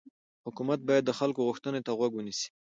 حکومت باید د خلکو غوښتنو ته غوږ ونیسي